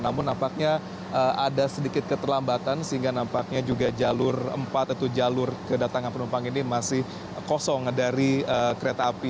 namun nampaknya ada sedikit keterlambatan sehingga nampaknya juga jalur empat atau jalur kedatangan penumpang ini masih kosong dari kereta api